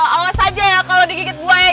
awas aja ya kalau digigit buaya